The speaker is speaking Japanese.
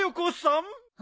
ん？